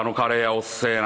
おっせえな。